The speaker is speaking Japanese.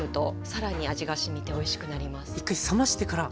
一回冷ましてから。